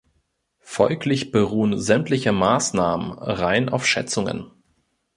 Folglich beruhen sämtliche Maßnahmen rein auf Schätzungen.